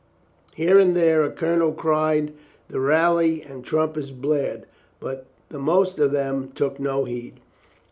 Here and there a colonel cried the rally and trumpets blared, but the most of them took no heed.